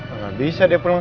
kang tai dari benefiting